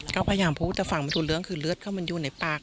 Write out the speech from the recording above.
ก็พยายามพูดแต่ฟังไม่รู้เรื่องคือเลือดเข้ามันอยู่ในปาก